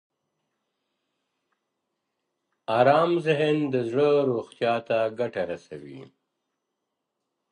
ارام ذهن د زړه روغتیا ته ګټه رسوي.